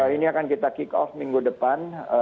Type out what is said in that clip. ini akan kita kick off minggu depan